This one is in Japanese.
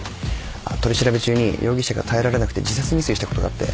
取り調べ中に容疑者が耐えられなくて自殺未遂したことがあって。